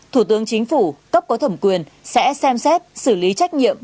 thủ tướng chính phủ cấp có thẩm quyền sẽ xem xét xử lý trách nhiệm